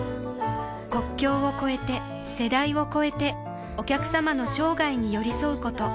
国境を超えて世代を超えてお客様の生涯に寄り添うこと